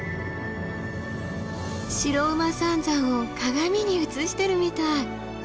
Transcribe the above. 白馬三山を鏡に映してるみたい。